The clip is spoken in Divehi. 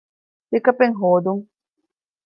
ޕިކަޕެއް ހޯދުން